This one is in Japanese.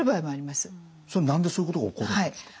それ何でそういうことが起こるんですか？